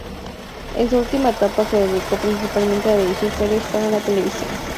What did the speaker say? En su última etapa se dedicó principalmente a dirigir series para la televisión.